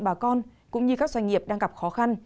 bà con cũng như các doanh nghiệp đang gặp khó khăn